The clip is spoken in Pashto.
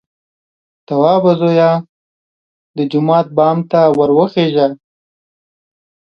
_توابه زويه! د جومات بام ته ور وخېژه!